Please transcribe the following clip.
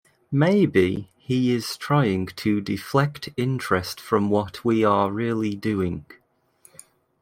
Maybe he is trying to deflect interest from what we are really doing.